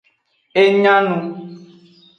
E nya nu.